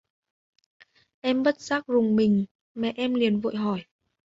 Em bất giác rùng mình mẹ em liền vội hỏi